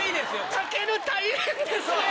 たける大変ですね。